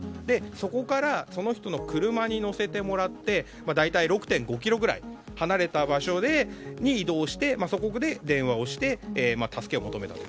そこからその人の車に乗せてもらって大体６．５ｋｍくらい離れた場所に移動してそこで電話をして助けを求めたと。